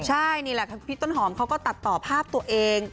ใช่นี่แหละพี่ต้นหอมเขาก็ตัดต่อภาพตัวเอง